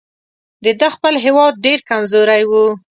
د ده خپل هیواد ډېر کمزوری وو.